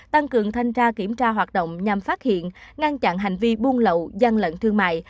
tăng cường thanh tra kiểm tra hoạt động nhằm phát hiện ngăn chặn hành vi buôn lậu gian lận thương mại